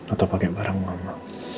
atau pakai barang mama